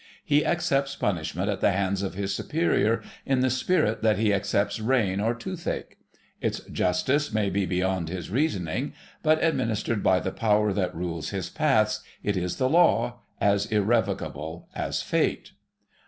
He accepts punishment at the hands of his Superior in the spirit that he accepts rain or toothache. Its justice may be beyond his reasoning, but administered by the Power that rules his paths, it is the Law, as irrevocable as Fate.